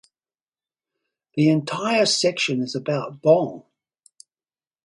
The entire section is about long.